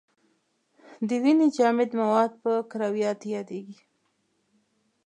د وینې جامد مواد په کرویاتو یادیږي.